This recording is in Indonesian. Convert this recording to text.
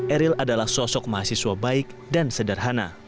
eril adalah sosok mahasiswa baik dan sederhana